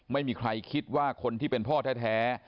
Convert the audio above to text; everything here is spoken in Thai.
ไม่มีใครคิดว่าคนที่เป็นพ่อแท้